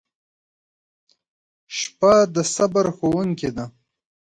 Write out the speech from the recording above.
• شپه د صبر ښوونکې ده.